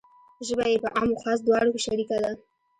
ژبه یې په عام و خاص دواړو کې شریکه ده.